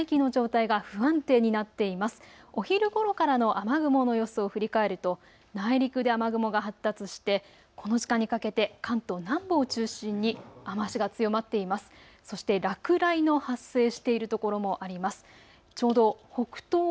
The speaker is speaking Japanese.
お昼ごろからの雨雲の様子を振り返ると内陸で雨雲が発達してこの時間にかけて関東南部を中心に雨足が強まっています。